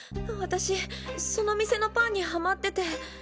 私その店のパンにハマってて。